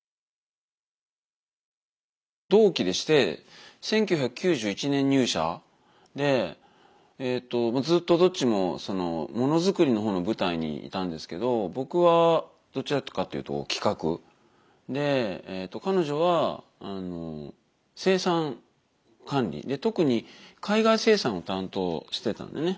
同期でして１９９１年入社でずっとどっちも物作りのほうの部隊にいたんですけど僕はどちらかっていうと企画で彼女は生産管理特に海外生産を担当してたんだよね。